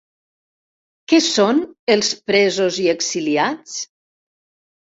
Què són els presos i exiliats?